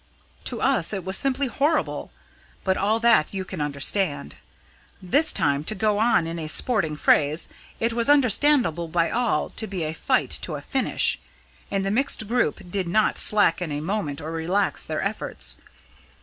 To us it was simply horrible. But all that you can understand. This time, to go on in sporting phrase, it was understood by all to be a 'fight to a finish,' and the mixed group did not slacken a moment or relax their efforts.